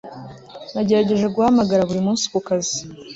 nagerageje guhamagara buri munsi kukazi